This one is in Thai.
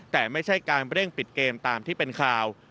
แต่ไม่ใช่การเร่งปิดเกมตามที่เป็นข่าว